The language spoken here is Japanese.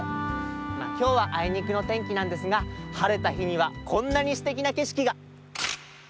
まあきょうはあいにくのてんきなんですがはれたひにはこんなにすてきなけしきが！